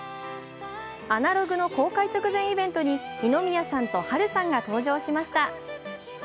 「アナログ」の公開直前イベントに二宮さんと波瑠さんが登場しました。